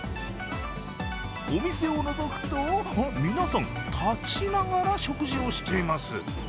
お店をのぞくと、皆さん立ちながら食事をしています。